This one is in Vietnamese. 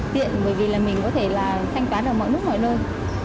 tiện bởi vì mình có thể thanh toán ở mọi mức mọi nơi